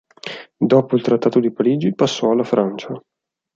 Dopo il trattato di Parigi passò alla Francia.